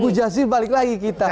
bu jasir balik lagi kita